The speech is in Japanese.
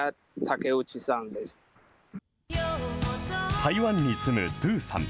台湾に住むトゥさん。